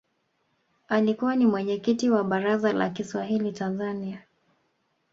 alikuwa ni mwenyekiti wa baraza la Kiswahili tanzania